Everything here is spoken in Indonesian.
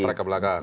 tarik ke belakang